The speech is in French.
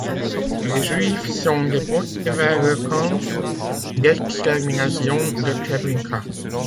Les Juifs sont déportés vers le camp d'extermination de Treblinka.